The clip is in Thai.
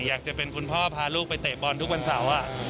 อยากจะเป็นคุณพ่อพาลูกไปเตะบอลทุกวันเสาร์